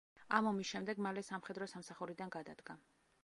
ამ ომის შემდეგ მალე სამხედრო სამსახურიდან გადადგა.